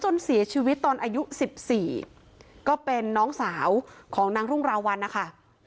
จนเสียชีวิตตอนอายุ๑๔ก็เป็นน้องสาวของนางรุ่งราวัลนะคะ